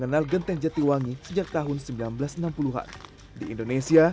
sampai ke jatiwangi